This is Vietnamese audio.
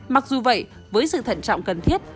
mặc dù vậy với sự thận trọng cần thiết